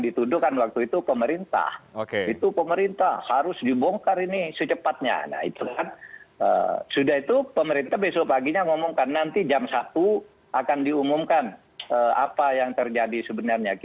itu diajak berterdek